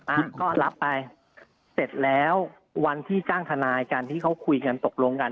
ก็รับไปเสร็จแล้ววันที่จ้างทนายกันที่เขาคุยกันตกลงกัน